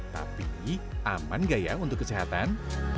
tapi aman gak ya untuk kesehatan